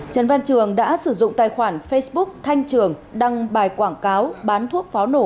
trần văn trường đã sử dụng tài khoản facebook thanh trường đăng bài quảng cáo bán thuốc pháo nổ